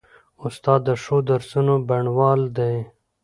استاد د ښو درسونو بڼوال دی.